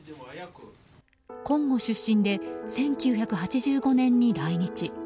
コンゴ出身で１９８５年に来日。